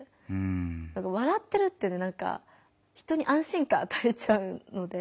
笑ってるって人に安心感あたえちゃうので。